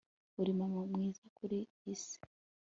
uri mama mwiza ku isi